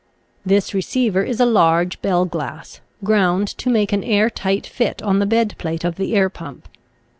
This receiver is a large bell glass, ground to make an air tight fit on the bedplate of the air pump.